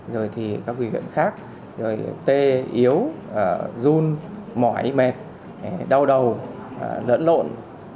rồi thì các bệnh viện khác tê yếu run mỏi mệt đau đầu lẫn lộn